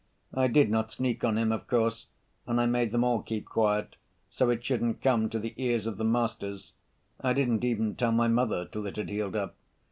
I did not sneak on him, of course, and I made them all keep quiet, so it shouldn't come to the ears of the masters. I didn't even tell my mother till it had healed up.